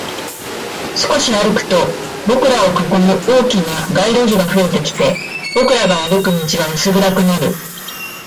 少し歩くと、僕らを囲む大きな街路樹が増えてきて、僕らが歩く道は薄暗くなる